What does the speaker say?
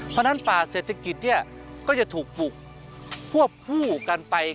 เพราะฉะนั้นป่าเศรษฐกิจก็จะถูกปลูกควบคู่กันไป